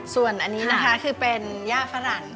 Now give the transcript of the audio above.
ส่วนอันนี้นะคะคือเป็นย่าฝรั่ง